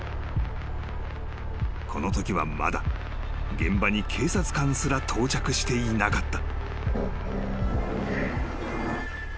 ［このときはまだ現場に警察官すら到着していなかった］